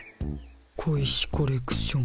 小石コレクション。